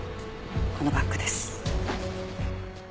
このバッグです。